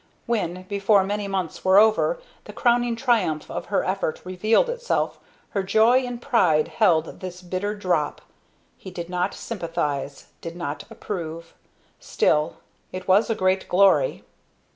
When, before many months were over, the crowning triumph of her effort revealed itself, her joy and pride held this bitter drop he did not sympathize did not approve. Still, it was a great glory.